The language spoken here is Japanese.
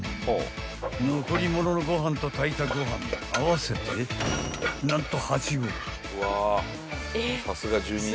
［残り物のご飯と炊いたご飯合わせて何と］